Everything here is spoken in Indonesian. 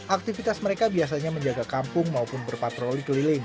aktivitas mereka biasanya menjaga kampung maupun berpatroli keliling